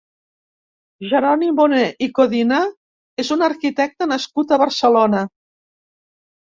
Jeroni Moner i Codina és un arquitecte nascut a Barcelona.